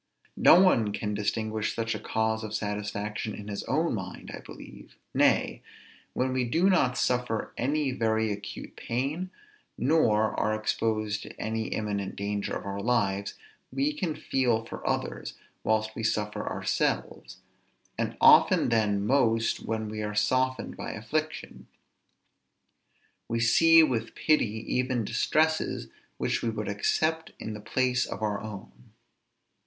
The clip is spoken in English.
No one can distinguish such a cause of satisfaction in his own mind, I believe; nay, when we do not suffer any very acute pain, nor are exposed to any imminent danger of our lives, we can feel for others, whilst we suffer ourselves; and often then most when we are softened by affliction; we see with pity even distresses which we would accept in the place of our own.